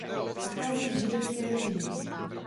Pochází z Židovské rodiny.